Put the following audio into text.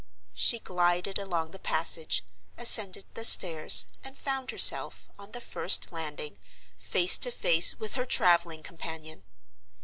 She glided along the passage, ascended the stairs, and found herself, on the first landing, face to face with her traveling companion!